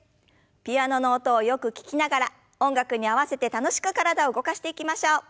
ピアノの音をよく聞きながら音楽に合わせて楽しく体を動かしていきましょう。